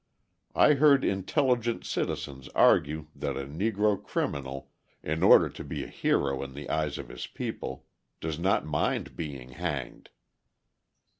I heard intelligent citizens argue that a Negro criminal, in order to be a hero in the eyes of his people, does not mind being hanged!